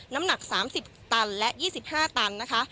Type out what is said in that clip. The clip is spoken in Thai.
น้ำหนัก๓๐ตันและ๒๕ตันนะคะ